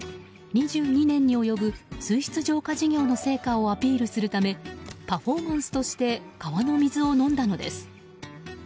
２２年に及ぶ水質浄化事業の成果をアピールするためパフォーマンスとして川の水を飲んだのです。